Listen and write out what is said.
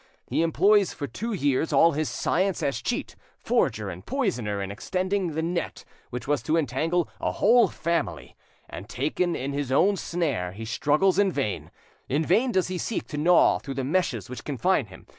He employs for two years all his science as cheat, forger, and poisoner in extending the net which was to entangle a whole family; and, taken in his own snare, he struggles in vain; in vain does he seek to gnaw through the meshes which confine him.